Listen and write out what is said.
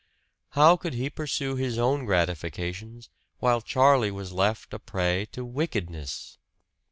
How could he pursue his own gratifications while Charlie was left a prey to wickedness?